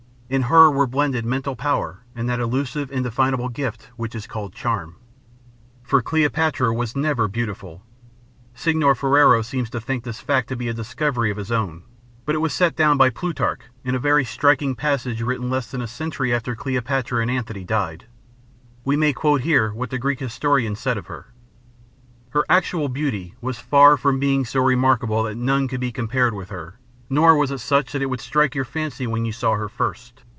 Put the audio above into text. In her were blended mental power and that illusive, indefinable gift which is called charm. For Cleopatra was never beautiful. Signor Ferrero seems to think this fact to be discovery of his own, but it was set down by Plutarch in a very striking passage written less than a century after Cleopatra and Antony died. We may quote here what the Greek historian said of her: Her actual beauty was far from being so remarkable that none could be compared with her, nor was it such that it would strike your fancy when you saw her first.